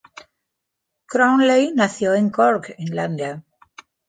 Crowley nació en Cork, Irlanda.